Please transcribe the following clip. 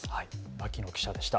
牧野記者でした。